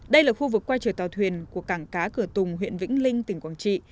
đây là khu vực qua trời tàu thuyền của cảng cá cửa tùng huyện vĩnh linh tỉnh quảng trị